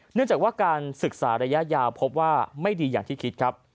เนื่องจากว่าการศึกษาระยะยาวพบว่าไม่ดีอย่างที่คิดครับ